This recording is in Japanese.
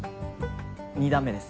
２段目です。